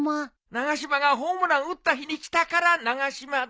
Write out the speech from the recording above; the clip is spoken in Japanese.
長嶋がホームラン打った日に来たから長嶋だ。